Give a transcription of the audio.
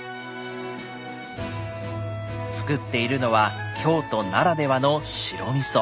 つくっているのは京都ならではの白みそ。